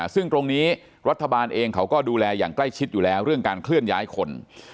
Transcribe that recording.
ซึ่งตรงนี้รัฐบาลเองเขาก็ดูแลอย่างใกล้ชิดอยู่แล้วเรื่องการเคลื่อนย้ายคน